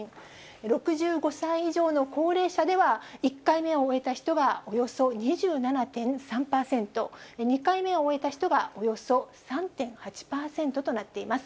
６５歳以上の高齢者では、１回目を終えた人がおよそ２７．３％、２回目を終えた人がおよそ３．８％となっています。